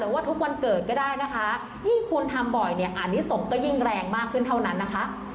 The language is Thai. หรือว่าทุกวันเกิดก็ได้นะคะที่คุณทำบ่อยอาริสมก็ยิ่งแรงมากขึ้นเท่านั้นนะคะ